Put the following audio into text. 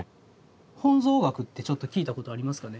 本草学って聞いたことありますかね？